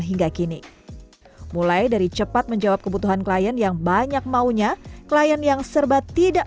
hingga kini mulai dari cepat menjawab kebutuhan klien yang banyak maunya klien yang serba tidak